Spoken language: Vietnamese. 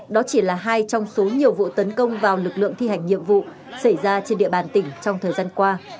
đó chỉ là hai trong số nhiều vụ tấn công vào lực lượng thi hành nhiệm vụ xảy ra trên địa bàn tỉnh trong thời gian qua